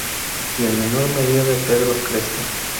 Y en menor medida de Pedro Cresta.